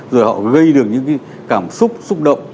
rồi họ gây được những cái cảm xúc xúc động